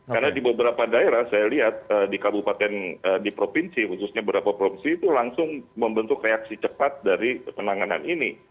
karena di beberapa daerah saya lihat di kabupaten di provinsi khususnya beberapa provinsi itu langsung membentuk reaksi cepat dari penanganan ini